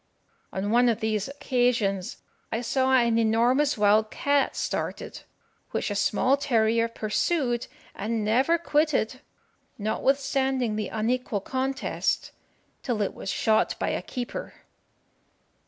On one of these occasions I saw an enormous wild cat started, which a small terrier pursued and never quitted, notwithstanding the unequal contest, till it was shot by a keeper.